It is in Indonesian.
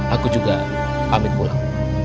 aku juga ambil pulang